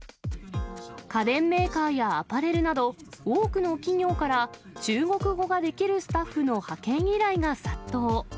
家電メーカーやアパレルなど、多くの企業から、中国語ができるスタッフの派遣依頼が殺到。